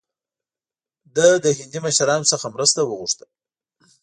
ده له هندي مشرانو څخه مرسته وغوښته.